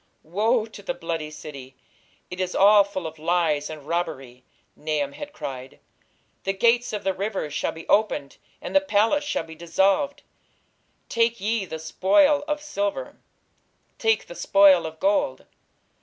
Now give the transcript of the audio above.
"Woe to the bloody city! it is all full of lies and robbery", Nahum had cried. "... The gates of the rivers shall be opened, and the palace shall be dissolved.... Take ye the spoil of silver, take the spoil of gold....